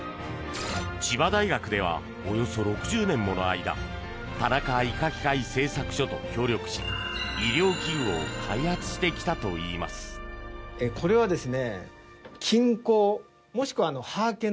千葉大学ではおよそ６０年もの間田中医科器械製作所と協力し医療器具を開発してきたといいます。